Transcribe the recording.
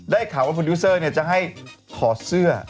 ได้ข่าวว่าโพดิวเซอร์เนี่ยจะให้ถอดเสื้อ